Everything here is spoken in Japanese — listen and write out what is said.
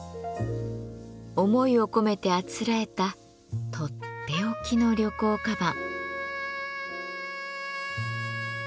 思いを込めてあつらえた取って置きの旅行鞄。